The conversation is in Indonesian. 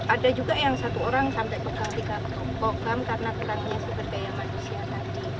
dan ada juga yang satu orang sampai pegang tiga program karena kerangnya seperti manusia tadi